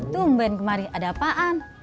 tumben kemarin ada apaan